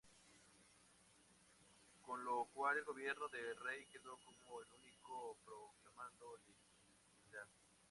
Con lo cual el gobierno de Rei quedó como el único proclamando legitimidad.